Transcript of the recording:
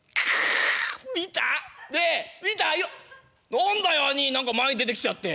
何だよ兄ぃ何か前出てきちゃって。